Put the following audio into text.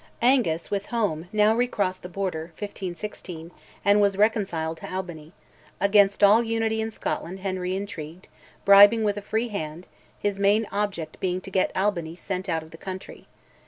Angus, with Home, now recrossed the Border (1516), and was reconciled to Albany; against all unity in Scotland Henry intrigued, bribing with a free hand, his main object being to get Albany sent out of the country.